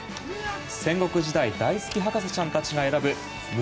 戦国時代大好き博士ちゃんたちが選ぶ胸